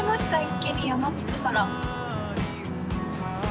一気に山道から。